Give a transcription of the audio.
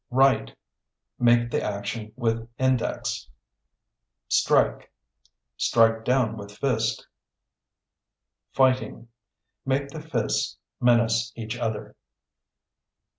Write (Make the action with index). Strike (Strike down with fist). Fighting (Make the fists menace each other).